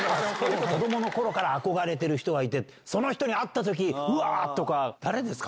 子どものころから憧れてる人がいて、その人に会ったとき、誰ですか？